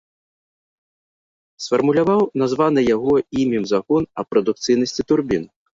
Сфармуляваў названы яго імем закон аб прадукцыйнасці турбін.